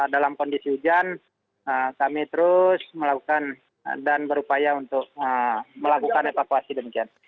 dalam kondisi hujan kami terus melakukan dan berupaya untuk melakukan evakuasi demikian